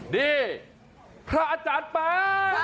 นี่พระอาจารย์แป๊